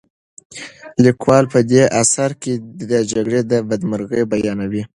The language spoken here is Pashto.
لیکوال په دې اثر کې د جګړې بدمرغۍ بیانوي.